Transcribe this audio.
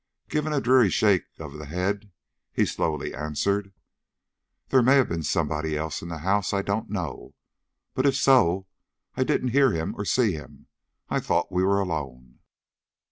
Giving a dreary shake of the head, he slowly answered: "There may have been somebody else in the house, I don't know; but if so, I didn't hear him or see him. I thought we were alone."